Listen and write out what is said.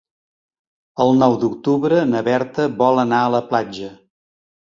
El nou d'octubre na Berta vol anar a la platja.